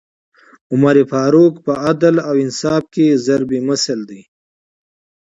عمر فاروق په عدل او انصاف کي ضَرب مثل دی